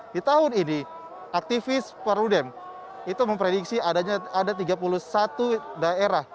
di tahun ini aktivis perudem itu memprediksi ada tiga puluh satu daerah